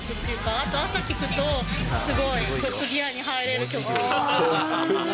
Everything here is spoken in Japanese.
あと朝聴くと、すごいトップギアに入れる曲。